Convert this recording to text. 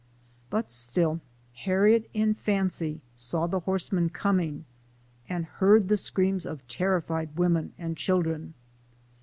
But still Harriet in fancy saw the horsemen coming, and heard the screams of terrified women and children.